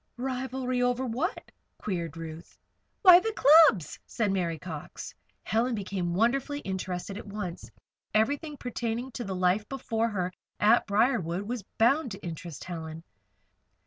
"Rivalry over what?" queried Ruth. "Why, the clubs," said Mary Cox. Helen became wonderfully interested at once. Everything pertaining to the life before her at Briarwood was bound to interest Helen.